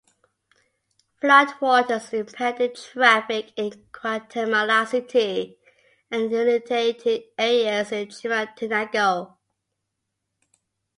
Floodwaters impeded traffic in Guatemala City and inundated areas in Chimaltenango.